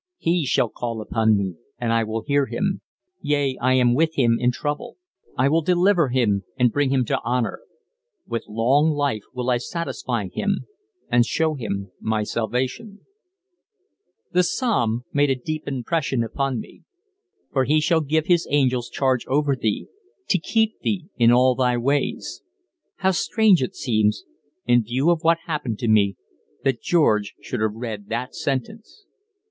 "He shall call upon me, and I will hear him: yea, I am with him in trouble; I will deliver him and bring him to bonour. "With long life will I satisfy him: and show him my salvation" The Psalm made a deep impression upon me. "For he shall give his angels charge over thee: to keep thee in all thy ways." How strange it seems, in view of what happened to me, that George should have read that sentence.